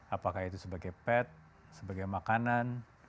apakah itu sebagai pet sebagai makanan